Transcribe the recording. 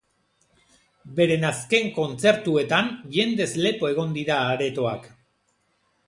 Beren azken kontzertuetan jendez lepo egon dira aretoak.